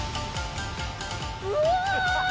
うわ！